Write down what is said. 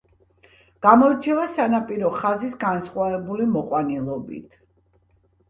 გამოირჩევა სანაპირო ხაზის განსხვავებული მოყვანილობით.